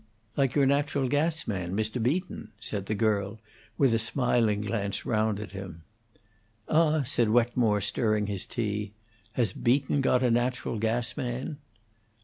"Like your natural gas man, Mr. Beaton," said the girl, with a smiling glance round at him. "Ah!" said Wetmore, stirring his tea, "has Beaton got a natural gas man?"